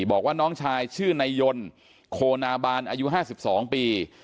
บอกว่าน้องชายชื่อนายยนต์โคนาบานอายุ๕๒ปี